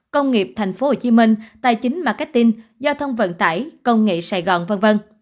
công nghiệp tp hcm tài chính marketing giao thông vận tải công nghệ sài gòn v v